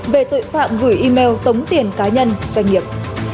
về tội phạm gửi email tống tiền cá nhân doanh nghiệp